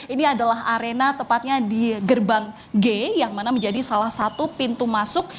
ini adalah arena tepatnya di gerbang g yang mana menjadi salah satu pintu masuk